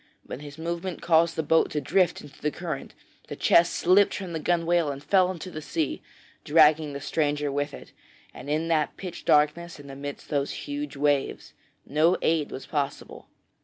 But his movement caused the boat to drift into the current, the chest slipped from the gunwale and fell into the sea, dragging the stranger with it, and in that pitch darkness and amidst those huge waves, no aid was possible.